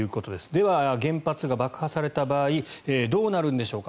では、原発が爆破された場合どうなるのでしょうか。